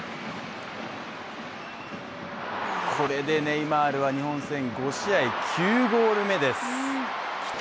これでネイマールは日本戦５試合９ゴール目です。